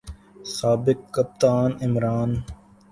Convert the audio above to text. سابق کپتان عمران